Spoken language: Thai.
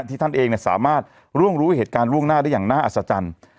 ท่านเองสามารถร่วงรู้เหตุการณ์ล่วงหน้าได้อย่างน่าอัศจรรย์